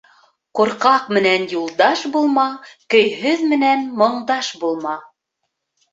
Ҡурҡаҡ менән юлдаш булма, көйһөҙ менән моңдаш булма.